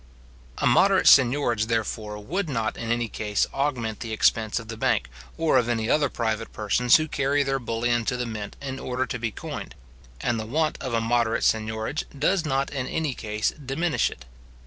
A moderate seignorage, therefore, would not, in any case, augment the expense of the bank, or of any other private persons who carry their bullion to the mint in order to be coined; and the want of a moderate seignorage does not in any case diminish it.